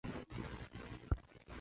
章氏的门人亦尊蒋氏为师祖。